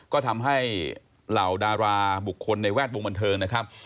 ก็ทำให้เหล่าดาราบุคคลในแวดวงบันเทิงนะครับ